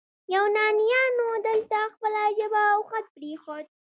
یونانیانو دلته خپله ژبه او خط پریښود